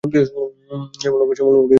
শুনিল ছেলেটা বলিতেছে, শ্যামলবাবুকে খুঁজছি।